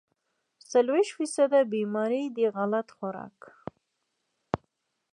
څلوېښت فيصده بيمارۍ د غلط خوراک